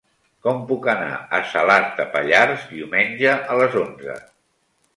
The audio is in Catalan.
Com puc anar a Salàs de Pallars diumenge a les onze?